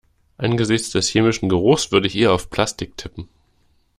Angesichts des chemischen Geruchs würde ich eher auf Plastik tippen.